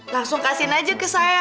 langsung kasih aja ke saya